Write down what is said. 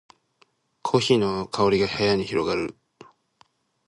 コーヒーの香りが部屋に広がる